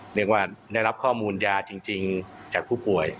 เรียกว่าได้รับข้อมูลยาจริงจากผู้ป่วย